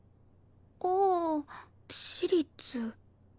ああー私立。